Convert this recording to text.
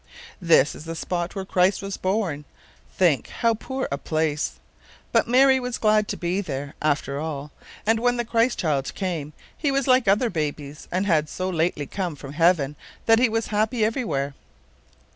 This was the spot where Christ was born. Think how poor a place!—but Mary was glad to be there, after all; and when the Christ child came, He was like other babies, and had so lately come from heaven that He was happy everywhere.